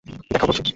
দেখাও, বলছি।